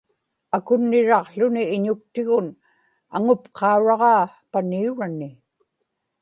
akunniraqłuni iñuktigun aŋupqauraġaa paniurani